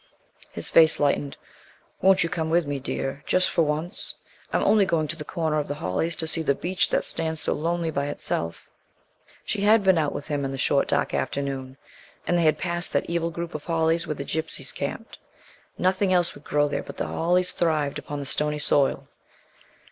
His face lightened. "Won't you come with me, dear, just for once? I'm only going to the corner of the hollies to see the beech that stands so lonely by itself." She had been out with him in the short dark afternoon, and they had passed that evil group of hollies where the gypsies camped. Nothing else would grow there, but the hollies thrive upon the stony soil.